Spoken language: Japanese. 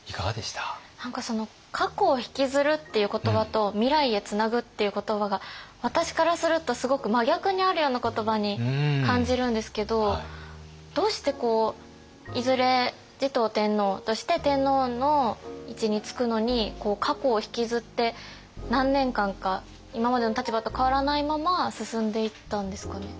何か過去をひきずるっていう言葉と未来へつなぐっていう言葉が私からするとすごく真逆にあるような言葉に感じるんですけどどうしてこういずれ持統天皇として天皇の位置につくのに過去をひきずって何年間か今までの立場と変わらないまま進んでいったんですかね。